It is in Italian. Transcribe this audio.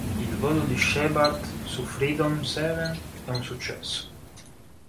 Il volo di Shepard su Freedom Seven è un successo.